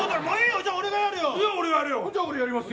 じゃあ俺がやりますよ！